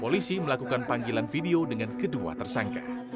polisi melakukan panggilan video dengan kedua tersangka